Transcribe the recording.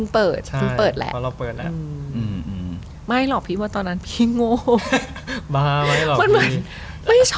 เพราะเราเพิ่งเปิด